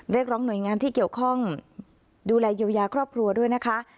เรียกร้องหน่วยงานที่เกี่ยวข้องดูแลเยียวยาครอบครัวด้วยนะคะ